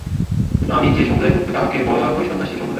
আমি যে-সম্প্রদায়ভুক্ত, তাহাকে বলা হয় সন্ন্যাসি-সম্প্রদায়।